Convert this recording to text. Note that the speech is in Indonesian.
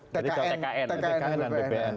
tkn dan bpn